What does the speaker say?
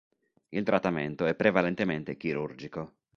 Il trattamento è prevalentemente chirurgico.